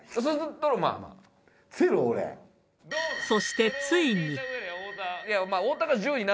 そしてついに。